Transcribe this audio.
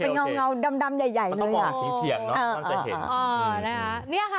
เป็นเงาดำใหญ่เลยค่ะมันต้องมองถึงเขียงน่ะ